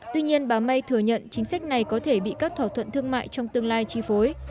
tuy nhiên bà may thừa nhận chính sách này có thể bị các thỏa thuận thương mại trong tương lai chi phối